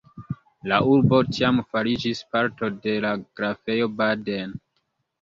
La urbo tiam fariĝis parto de la Grafejo Baden.